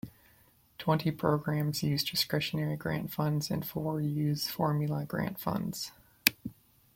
Twenty programs use discretionary grant funds and four use formula grant funds.